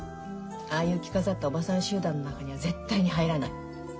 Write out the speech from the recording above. ああいう着飾ったおばさん集団の中には絶対に入らない。